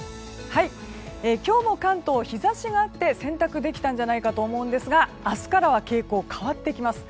今日も関東日差しがあって洗濯できたんじゃないかと思うんですが明日からは傾向が変わってきます。